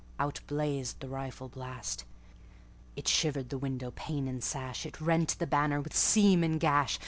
—out blazed the rifle blast.It shivered the window, pane and sash; It rent the banner with seam and gash.